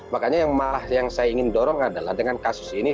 makanya yang malah yang saya ingin dorong adalah dengan kasus ini